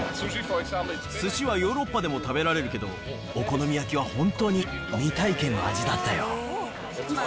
すしはヨーロッパでも食べられるけど、お好み焼きは本当に未体験の味だったよ。